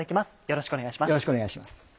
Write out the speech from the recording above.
よろしくお願いします。